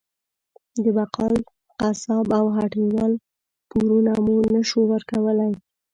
د بقال، قصاب او هټۍ وال پورونه مو نه شو ورکولی.